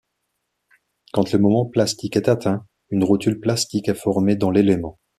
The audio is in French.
Quand le moment plastique est atteint, une rotule plastique est formée dans l'élément.